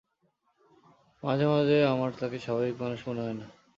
মাঝে মাঝে আমার তাকে স্বাভাবিক মানুষ মনে হয়না।